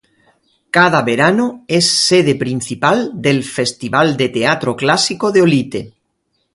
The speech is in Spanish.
Cada verano es sede principal del Festival de Teatro Clásico de Olite.